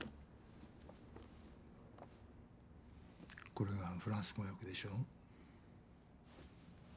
これがフランス語訳でしょ。